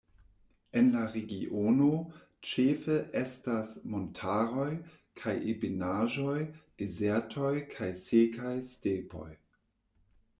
En la regiono ĉefe estas montaroj kaj ebenaĵoj, dezertoj kaj sekaj stepoj.